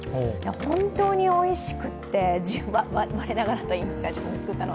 本当においしくて、我ながらといいますか、自分で作ったの。